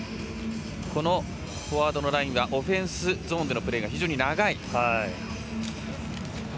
このフォワードのラインはオフェンスでのプレーが非常に長い。